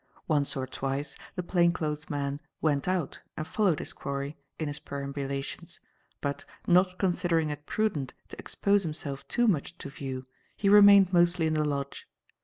Once or twice, the plain clothes man went out and followed his quarry in his perambulations, but, not considering it prudent to expose himself too much to view, he remained mostly in the Lodge.